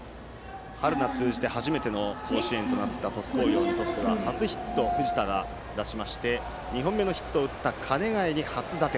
春夏通じて初めての甲子園となった鳥栖工業にとっては初ヒットを藤田が出しまして２本目のヒットを打った鐘ヶ江に初打点。